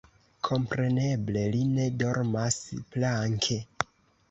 Kompreneble, li ne dormas planke.